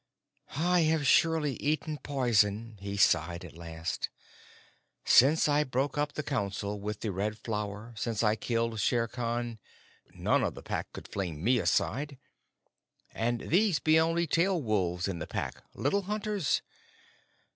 "I have surely eaten poison," he sighed at last. "Since I broke up the Council with the Red Flower since I killed Shere Khan none of the Pack could fling me aside. And these be only tail wolves in the Pack, little hunters!